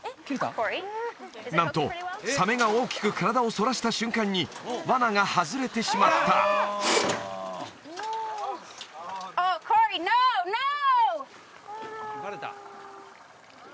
なんとサメが大きく体を反らした瞬間にワナが外れてしまったオーノーノー！